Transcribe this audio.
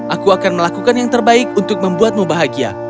aku akan melakukan yang terbaik untuk membuatmu bahagia